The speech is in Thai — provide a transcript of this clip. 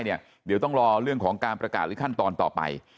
เดี๋ยวต้องรอเรื่องของการประกาศหรือขั้นตอนต่อไป